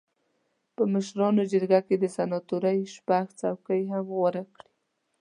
په مشرانو جرګه کې د سناتورۍ شپږ څوکۍ هم غواړي.